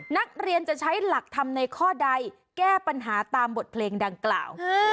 นักเรียนจะใช้หลักธรรมในข้อใดแก้ปัญหาตามบทเพลงดังกล่าว